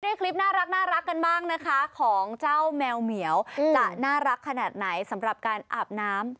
คลิปน่ารักกันบ้างนะคะของเจ้าแมวเหมียวจะน่ารักขนาดไหนสำหรับการอาบน้ำ